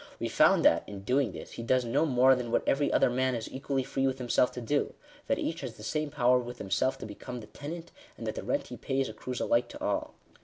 We found that, in doing' this, he does no more than what every other man is equally Digitized by VjOOQIC THE RIGHT OF PROPERTY. 120 free with himself to do— that each has the same power with himself to become the tenant — and that the rent he pays accrues alike to all.